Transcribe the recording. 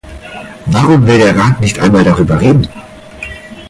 Warum will der Rat nicht einmal darüber reden?